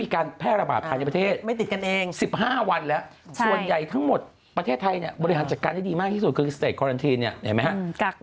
กรกฎาคมการบินจะเปิดเต็มที่หรือยัง